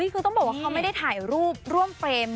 คือต้องบอกว่าเขาไม่ได้ถ่ายรูปร่วมเฟรม